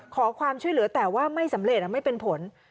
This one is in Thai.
ขอความช่วยเหลือแต่ว่าไม่สำเร็จไม่เป็นผล